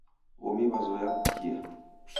W'omi w'azoya kukia.